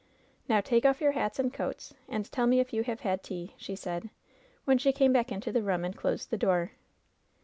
"Now take off your hats and coats, and tell me if you have had tea," she said, when she came back into the room and closed the door.